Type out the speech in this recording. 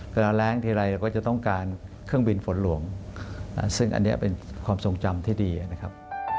แรงทีไรเราก็จะต้องการเครื่องบินฝนหลวงซึ่งอันนี้เป็นความทรงจำที่ดีนะครับ